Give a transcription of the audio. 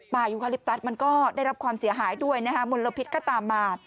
ยูคาลิปตัสมันก็ได้รับความเสียหายด้วยนะคะมลพิษก็ตามมา